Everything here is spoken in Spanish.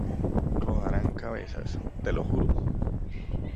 Rodarán cabezas, ¡te lo juro!